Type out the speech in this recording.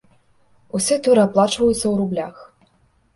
Усе туры аплачваюцца ў рублях.